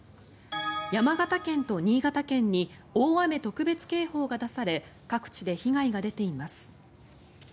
山形県と新潟県に大雨特別警報が出され各地で被害が出ています。